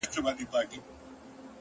نور د دردونو له پاچا سره خبرې وکړه-